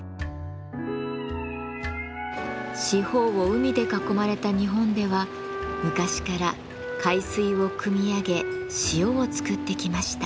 四方を海で囲まれた日本では昔から海水をくみ上げ塩を作ってきました。